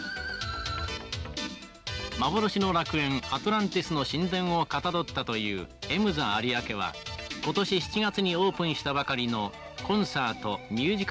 「幻の楽園アトランティスの神殿をかたどったというＭＺＡ有明は今年７月にオープンしたばかりのコンサートミュージカル用ホール」。